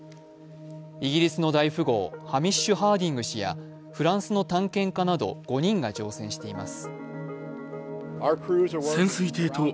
イギリスの大富豪、ハミッシュ・ハーディング氏やフランスの探検家など５人が乗船しています。